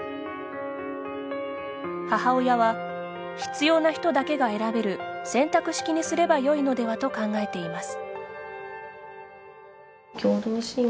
母親は、必要な人だけが選べる選択式にすればよいのではと考えています。